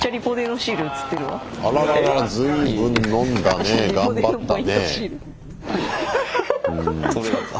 あららら随分飲んだね頑張ったね。